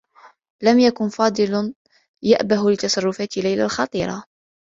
لم يكن فاضل يأبه لتصرّفات ليلى الخطيرة.